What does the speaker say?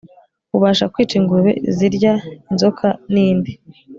ubasha kwica ingurube zirya inzoka nindi